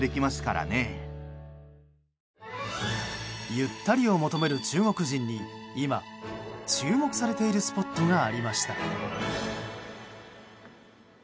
ゆったりを求める中国人に今注目されているスポットがありました。